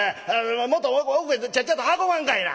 もっと奥へちゃっちゃと運ばんかいな。